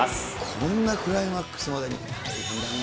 こんなクライマックスまで、大変だね。